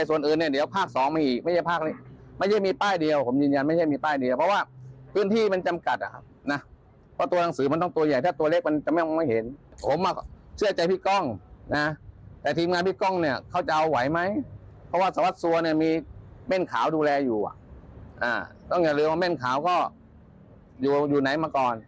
วัดสัวนมีเม่นขาวดูแลอยู่ต้องอย่าลืมว่าเม่นขาวก็อยู่ไหนมาก่อน